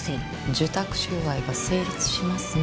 受託収賄が成立しますね。